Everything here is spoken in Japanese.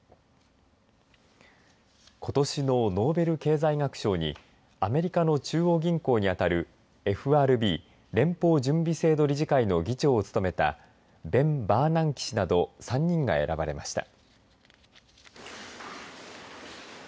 ことしのノーベル経済学賞にアメリカの中央銀行に当たるＦＲＢ、連邦準備制度理事会の議長を務めたベン・バーナンキ氏など３人が選ばれました。